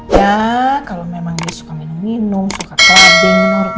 ya kalau memang dia suka minum minum suka kelabin